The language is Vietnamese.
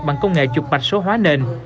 bằng công nghệ chụp mạch số hóa nền